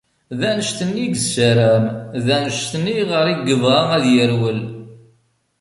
D annect-n i yessaram, d annect-n i ɣer i yebɣa ad yerwel.